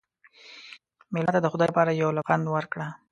مېلمه ته د خدای لپاره یو لبخند ورکړه.